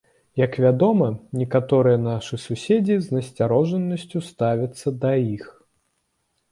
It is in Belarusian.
Як вядома, некаторыя нашы суседзі з насцярожанасцю ставяцца да іх.